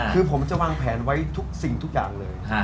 คือผมจะวางแผนไว้ทุกสิ่งทุกอย่างเลย